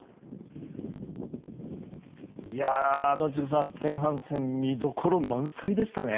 宜嗣さん、前半戦見どころ満載でしたね。